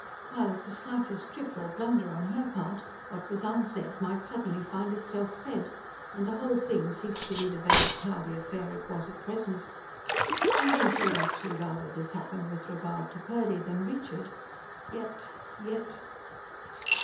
While, at the slightest trip or blunder on her part, what was unsaid might suddenly find itself said; and the whole thing cease to be the vague, cloudy affair it was at present. And though she would actually rather this happened with regard to Purdy than Richard, yet ... yet....